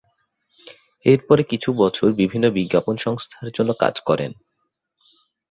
এরপরে কিছু বছর বিভিন্ন বিজ্ঞাপন সংস্থার জন্য কাজ করেন।